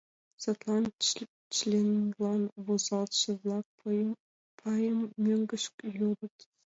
Садлан членлан возалтше-влак пайым мӧҥгеш йодыт.